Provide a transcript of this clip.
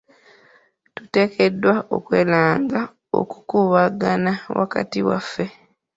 Tuteekeddwa okwewalanga okukuubagana wakati waffe.